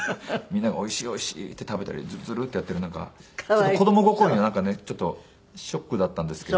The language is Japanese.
みんながおいしいおいしいって食べたりズルズルってやっている中子供心にはなんかねちょっとショックだったんですけども。